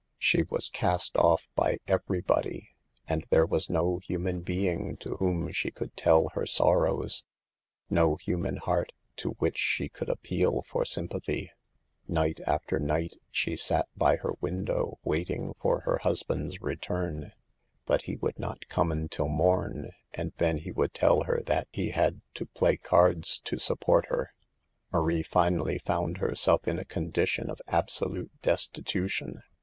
She was cast off by every body, and there was no human being to whom she could tell her sor rows, no human heart to which she could ap peal for sympathy. Night after night she sat by her window waiting for her husband's re turn, but he would not come until morn, and then he would tell her that he had to play cards to support her, Marie finally found herself in a condition of absolute destitution.